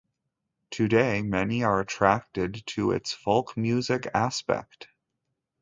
Today many are attracted to its folk music aspect.